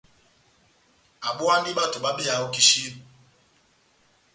Abówandi bato babeyahani ó kisini.